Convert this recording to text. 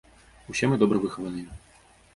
Усе мы добра выхаваныя.